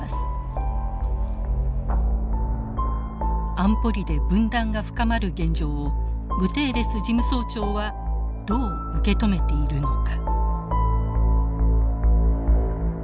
安保理で分断が深まる現状をグテーレス事務総長はどう受け止めているのか。